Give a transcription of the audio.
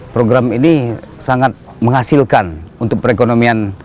program ini sangat menghasilkan untuk perekonomian